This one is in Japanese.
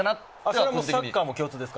これはサッカーも共通ですか？